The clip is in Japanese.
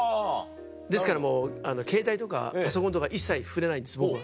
ですからもうケータイとかパソコンとか一切触れないんです僕は。